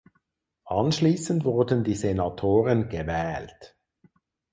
Anschließend wurden die Senatoren gewählt.